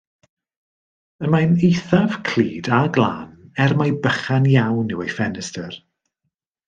Y mae'n eithaf clyd a glân, er mai bychan iawn yw ei ffenestr.